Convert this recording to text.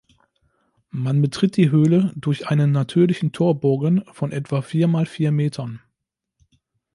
Man betritt die Höhle durch einen natürlichen Torbogen von etwa vier mal vier Metern.